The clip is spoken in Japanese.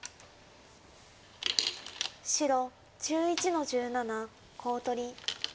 白１１の十七コウ取り。